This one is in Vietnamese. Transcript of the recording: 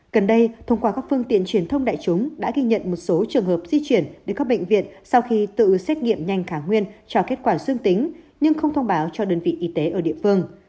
gần đây thông qua các phương tiện truyền thông đại chúng đã ghi nhận một số trường hợp di chuyển đến các bệnh viện sau khi tự xét nghiệm nhanh khả nguyên cho kết quả dương tính nhưng không thông báo cho đơn vị y tế ở địa phương